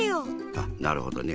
あなるほどね。